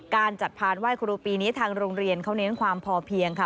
การจัดพานไหว้ครูปีนี้ทางโรงเรียนเขาเน้นความพอเพียงค่ะ